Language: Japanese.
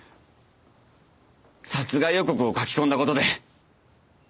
殺害予告を書き込んだ事で。